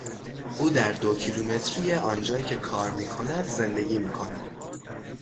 او در دو کیلومتری آنجایی که کار میکند زندگی میکند.